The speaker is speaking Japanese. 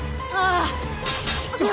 ああ。